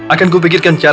akanku pergi ke kota luar